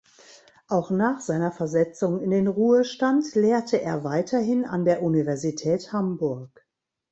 Auch nach seiner Versetzung in den Ruhestand lehrte er weiterhin an der Universität Hamburg.